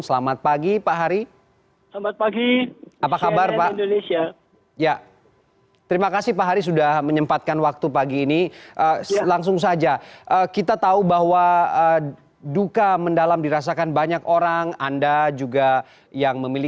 selamat pagi pak harry